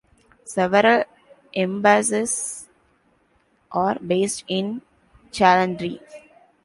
Several embassies are based in Chalandri.